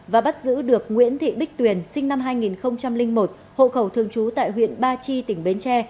và bắt giữ được nguyễn thị bích tuyền sinh năm hai nghìn một hộ khẩu thường trú tại huyện ba chi tỉnh bến tre